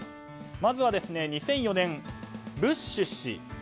まずは２００４年、ブッシュ氏。